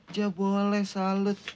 ya boleh salut